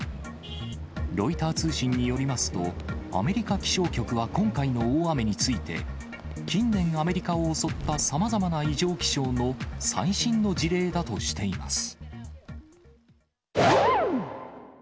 ロイター通信によりますと、アメリカ気象局は今回の大雨について、近年アメリカを襲ったさまざまな異常気象の最新の事例だとしています。